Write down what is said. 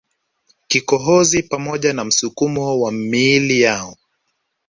kikohozi pamoja na msukumo wa miili yao